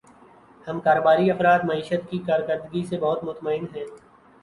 ہم کاروباری افراد معیشت کی کارکردگی سے بہت مطمئن ہیں